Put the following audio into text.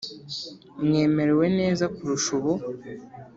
Mwemerewe neza kurusha ubu